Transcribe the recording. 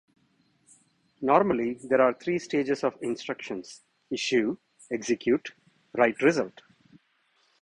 Normally, there are three stages of instructions: "Issue", "Execute", "Write Result".